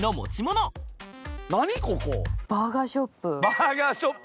バーガーショップ？